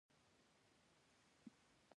بند تيمور کي اسحق زي قوم ډيري قرباني ورکړي.